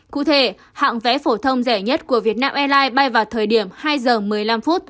cụ thể hạng vé phổ thông rẻ nhất của việt nam airlines bay vào thời điểm hai giờ một mươi năm phút